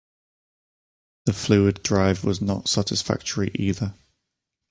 The fluid drive was not satisfactory either.